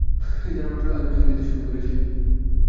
এই ধারণাটা আজ ভেঙে যেতে শুরু করেছে।